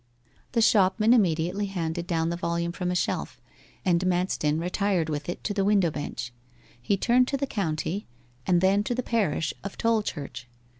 The shopman immediately handed down the volume from a shelf, and Manston retired with it to the window bench. He turned to the county, and then to the parish of Tolchurch.